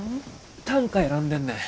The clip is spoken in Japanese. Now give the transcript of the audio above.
短歌選んでんねん。